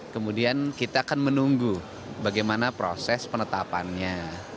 kemudian kita akan menunggu bagaimana proses penetapannya